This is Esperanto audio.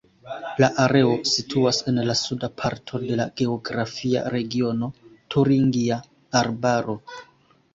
La areo situas en la suda parto de la geografia regiono Turingia Arbaro.